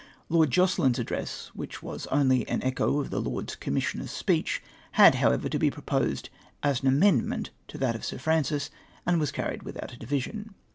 Lord Jocelyn's address, which was only an echo of the Lords Commissioners' speech, had, however, to be pro})<3sed as an amendment to that of Sk Francis, and was carried without a division.